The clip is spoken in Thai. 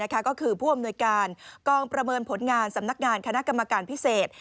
ก็คือผู้อำนวยการกองประเมินผลงานสำนักงานคณะกรรมการพิเศษ